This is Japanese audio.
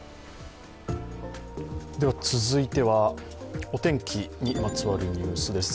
続いては、お天気にまつわるニュースです。